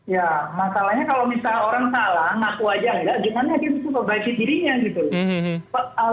ya masalahnya kalau misalnya orang salah ngaku aja enggak gimana kita bisa perbaiki dirinya gitu